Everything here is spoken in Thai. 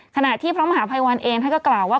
ขณะที่พระมหาภัยวันเองท่านก็กล่าวว่า